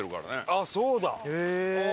あっそうだ！へえ。